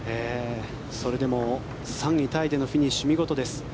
それでも３位タイでのフィニッシュ見事です。